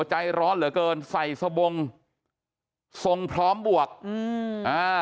ใจร้อนเหลือเกินใส่สบงทรงพร้อมบวกอืมอ่า